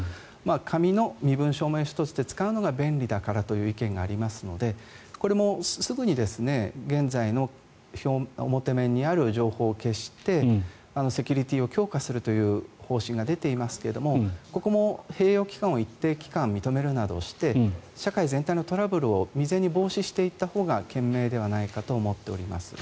紙の身分証明書として使うのが便利だからという意見がありますのでこれもすぐに現在の、表面にある情報を消してセキュリティーを強化するという方針が出ていますがここも併用期間を一定期間、認めるなどして社会全体のトラブルを未然に防止していったほうが賢明ではないかと思っております。